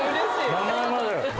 名前まで。